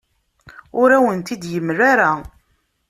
Ur awen-t-id-yemla ara.